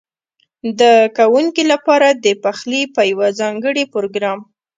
ده کوونکو لپاره د پخلي په یوه ځانګړي پروګرام